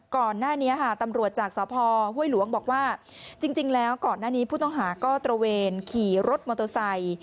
ก่อนหน้านี้ค่ะตำรวจจากสพห้วยหลวงบอกว่าจริงแล้วก่อนหน้านี้ผู้ต้องหาก็ตระเวนขี่รถมอเตอร์ไซค์